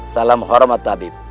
salam hormat tabib